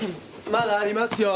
まだありますよ。